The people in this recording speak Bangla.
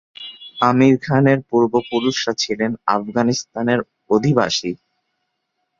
আমির খানের পূর্বপুরুষরা ছিলেন আফগানিস্তানের অধিবাসী।